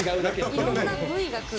いろんなＶが来る。